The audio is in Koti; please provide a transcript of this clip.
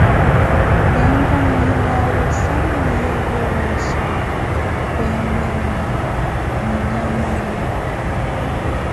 Tempu mwiilawe osaruwiyevo wooxhi, khwemela na khunyamala.